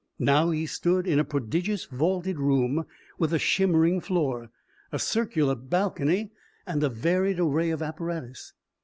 Now he stood in a prodigious vaulted room with a shimmering floor, a circular balcony, a varied array of apparatus.